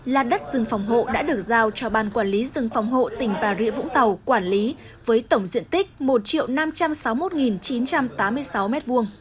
là đất rừng phòng hộ đã được giao cho ban quản lý rừng phòng hộ tỉnh bà rịa vũng tàu quản lý với tổng diện tích một năm trăm sáu mươi một chín trăm tám mươi sáu m hai